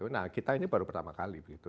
nah kita ini baru pertama kali begitu